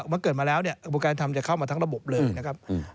เมื่อเกิดมาแล้วเนี่ยกระบวนการทำจะเข้ามาทั้งระบบเลยนะครับ